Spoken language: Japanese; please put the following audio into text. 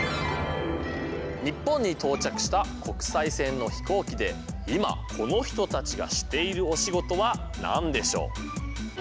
日本に到着した国際線の飛行機で今この人たちがしているお仕事は何でしょう？